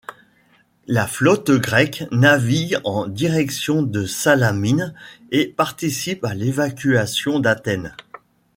La flotte grecque navigue en direction de Salamine et participe à l’évacuation d’Athènes.